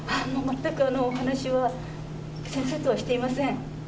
全くお話は、先生とはしていません。